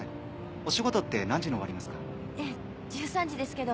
えっ１３時ですけど。